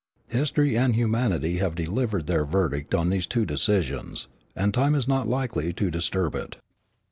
History and humanity have delivered their verdict on these two decisions, and time is not likely to disturb it.